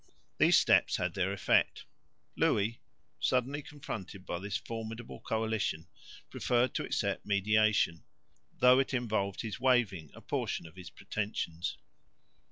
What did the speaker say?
These steps had their effect. Louis, suddenly confronted by this formidable coalition, preferred to accept mediation, though it involved his waiving a portion of his pretensions.